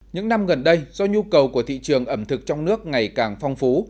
những năm gần đây do nhu cầu của thị trường ẩm thực trong nước ngày càng phong phú